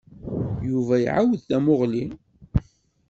Yuba iɛawed tamuɣli.